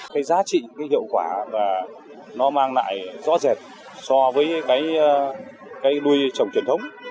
cái giá trị cái hiệu quả và nó mang lại rõ rệt so với cái nuôi trồng truyền thống